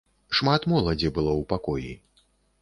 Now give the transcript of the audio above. Шмат моладзі было ў пакоі.